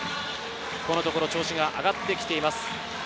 このところ調子が上がってきています。